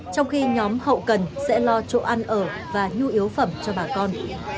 trong khi nhóm hậu cần sẽ lo chỗ ăn ở và nhu yếu phẩm cho bà con